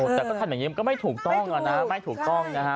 แต่ถ้าทำอย่างนี้ก็ไม่ถูกต้องนะไม่ถูกต้องนะ